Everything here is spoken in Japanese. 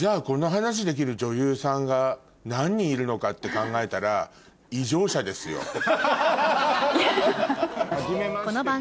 この話できる女優さんが何人いるのかって考えたら異常者ですよ。